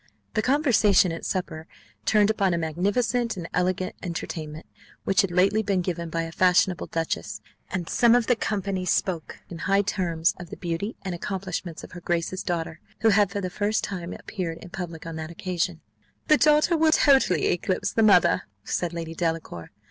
The conversation at supper turned upon a magnificent and elegant entertainment which had lately been given by a fashionable duchess, and some of the company spoke in high terms of the beauty and accomplishments of her grace's daughter, who had for the first time appeared in public on that occasion. "The daughter will eclipse, totally eclipse, the mother," said Lady Delacour.